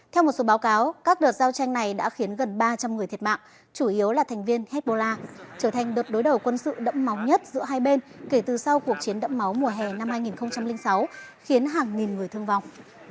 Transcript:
theo một số báo cáo các đợt giao tranh này đã khiến gần ba trăm linh người thiệt mạng chủ yếu là thành viên hezbollah trở thành đợt đối đầu quân sự đẫm máu nhất giữa hai bên kể từ sau cuộc chiến đẫm máu mùa hè năm hai nghìn sáu khiến hàng nghìn người thương vọng